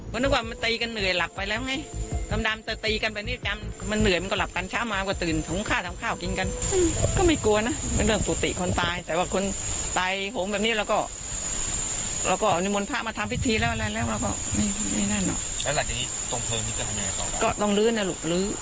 สำหรับในวิรัติผู้ก่อเหตุตำลดควบคุมตัวได้ขนาดกลับเข้าไปหาแม่ที่ห้องเช่าในวันเดียวกับที่เกิดเหตุ